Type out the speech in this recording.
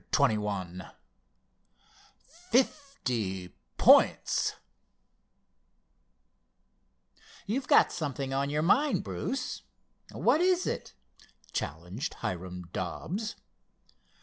CHAPTER XXI "FIFTY POINTS" "You've got something on your mind, Bruce! What is it?" challenged Hiram Dobbs.